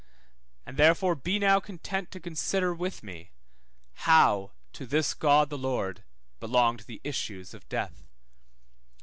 And therefore be now content to consider with me how to this God the Lord belonged the issues of death.